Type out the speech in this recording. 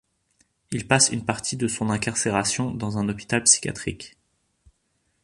Il passe une partie de son incarcération dans un hôpital psychiatrique.